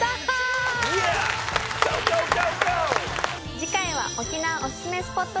次回は沖縄おすすめスポット